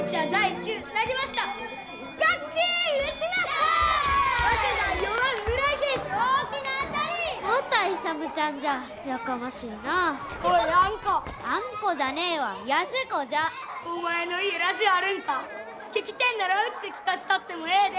聴きてえんならうちで聴かせたってもええで。